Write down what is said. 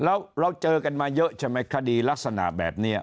แล้วเราเจอกันมาเยอะใช่ไหมคดีลักษณะแบบนี้